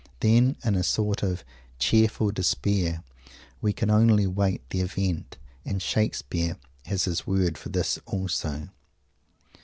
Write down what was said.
Then, in a sort of "cheerful despair," we can only wait the event. And Shakespeare has his word for this also.